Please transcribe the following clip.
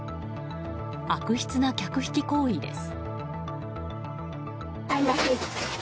悪質な客引き行為です。